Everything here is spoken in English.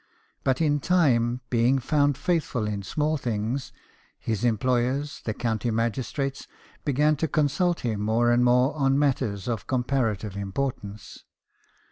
But in time, being found faithful in small things, his employers, the county magis trates, began to consult him more and more on matters of comparative importance.